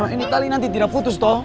ini tali nanti tidak putus toh